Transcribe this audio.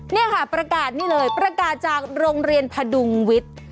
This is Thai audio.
นี่ค่ะประกาศนี่เลยประกาศจากโรงเรียนพดุงวิทย์